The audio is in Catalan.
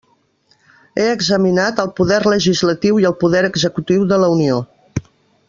He examinat el poder legislatiu i el poder executiu de la Unió.